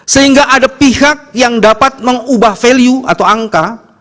sehingga ada pihak yang dapat mengubah value atau angka